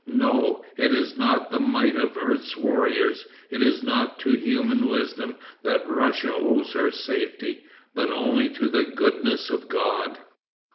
No! it is not to the might of earth's warriors, it is not to human wisdom that Russia owes her safety, but only to the goodness of God."